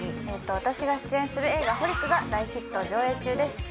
私が出演する映画『ホリックｘｘｘＨＯＬｉＣ』が大ヒット上映中です。